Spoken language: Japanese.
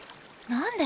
何で？